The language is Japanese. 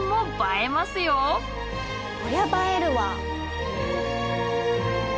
こりゃ映えるわ。